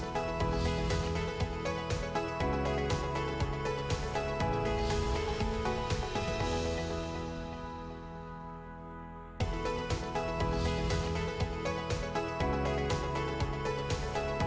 kita takutkan sekarang ada keadaan yang lebih baik